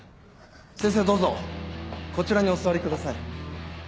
先生どうぞこちらにお座りください。